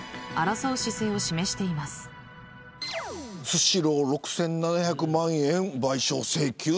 スシロー６７００万円賠償請求。